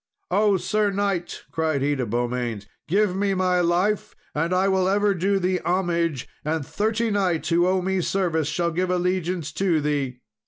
O, Sir knight," cried he to Beaumains, "give me my life, and I will ever do thee homage; and thirty knights, who owe me service, shall give allegiance to thee."